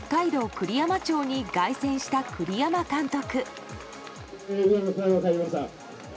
栗山町に凱旋した栗山監督。